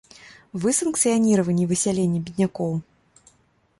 Вы санкцыяніравалі высяленне беднякоў?